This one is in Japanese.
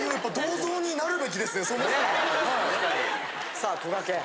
さあこがけん。